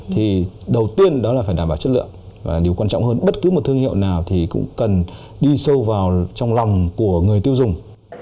thì đầu tiên đó là phải đảm bảo chất lượng và điều quan trọng hơn bất cứ một thương hiệu nào thì cũng cần đi sâu vào trong lòng của người tiêu dùng